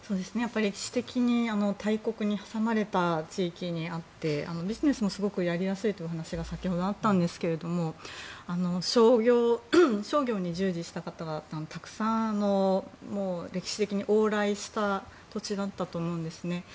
位置的に大国に挟まれた地域にあってビジネスもやりやすいというお話があったんですけど商業に従事した方がたくさん歴史的に往来した土地だったと思うんですね。